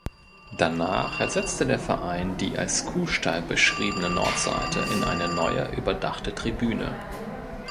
Danach ersetzte der Verein die als „Kuhstall“ beschriebene Nordseite in eine neue überdachte Tribüne.